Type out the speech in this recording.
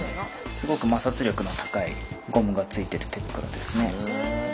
すごく摩擦力の高いゴムがついてる手袋ですね。